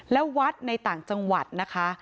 และวัดในต่างจังหวัดนะคะ